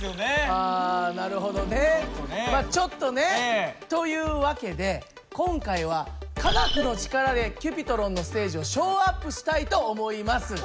あなるほどね。まあちょっとね。という訳で今回は科学の力でＣｕｐｉｔｒｏｎのステージをショーアップしたいと思います。